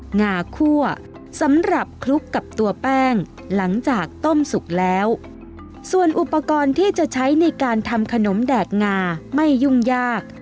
งาคั่วสำหรับคลุกกับตัวแป้งหลังจากต้มสุกแล้วส่วนอุปกรณ์ที่จะใช้ในการทำขนมแดดงาไม่ยุ่งยาก